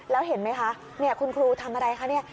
แล้วเห็นไหมคะคุณครูทำอะไรคะเนี่ย